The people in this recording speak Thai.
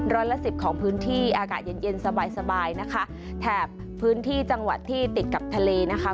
ร้อยละสิบของพื้นที่อากาศเย็นเย็นสบายสบายนะคะแถบพื้นที่จังหวัดที่ติดกับทะเลนะคะ